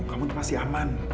kamu masih aman